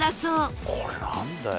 これなんだよ？